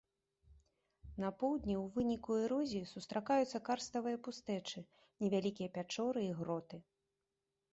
На поўдні ў выніку эрозіі сустракаюцца карставыя пустэчы, невялікія пячоры і гроты.